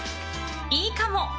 いいかも！